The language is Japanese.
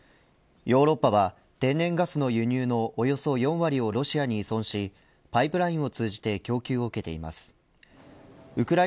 ヨーロッパは天然ガスの輸入のおよそ４割をロシアに依存しパイプラインを通じて供給を受けています。